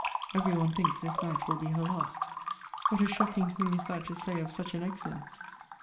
Every one thinks this night will be her last. What a shocking thing is that to say of such an excellence!